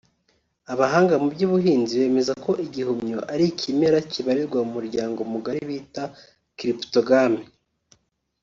Abahanga mu by’ubuhinzi bemeza ko igihumyo ari ikimera kibarirwa mu muryango mugari bita Cryptogames